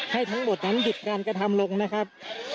ทั้งหมดนั้นหยุดการกระทำลงนะครับ